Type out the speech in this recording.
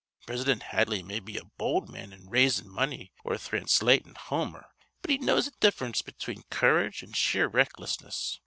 Prisidint Hadley may be a bold man in raisin' money or thranslatin' Homer, but he knows th' diff'rence between courage and sheer recklessness.